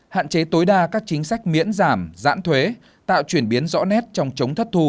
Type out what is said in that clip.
hạn chế tối đa các chính sách miễn giảm giãn thuế tạo chuyển biến rõ nét trong chống thất thu